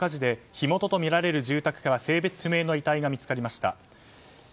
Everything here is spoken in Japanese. この火事で火元とみられる住宅から性別不明の遺体が見つかりました。